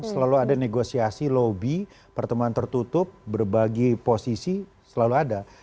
selalu ada negosiasi lobby pertemuan tertutup berbagi posisi selalu ada